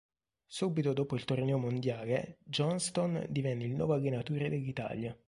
Subito dopo il torneo mondiale Johnstone divenne il nuovo allenatore dell'Italia.